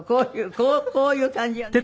こういう感じよね？